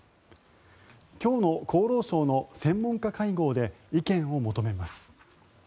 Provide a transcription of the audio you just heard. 今日の厚労省の専門家会合で意見を求めます。